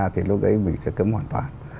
thì lúc ấy mình sẽ cấm hoàn toàn